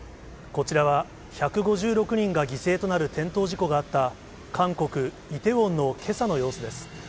こちらは１５６人が犠牲となる転倒事故があった、韓国・イテウォンのけさの様子です。